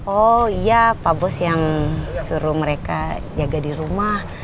oh iya pak bos yang suruh mereka jaga di rumah